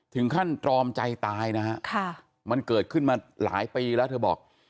ตรอมใจตายนะฮะมันเกิดขึ้นมาหลายปีแล้วเธอบอก